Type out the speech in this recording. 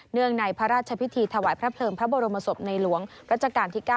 ในพระราชพิธีถวายพระเพลิงพระบรมศพในหลวงรัชกาลที่๙